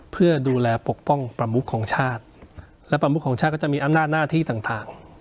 เพื่อดูแลปกป้องประมุขของชาติและประมุขของชาติก็จะมีอำนาจหน้าที่ต่าง